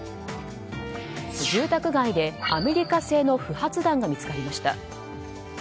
住宅街で、アメリカ製の不発弾が見つかりました。